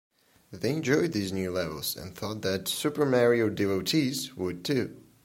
They enjoyed these new levels, and thought that "Super Mario" devotees would too.